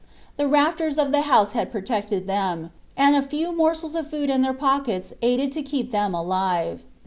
The rafters of the house had protected them, and a few morsels of food in their pockets aided to keep them alive.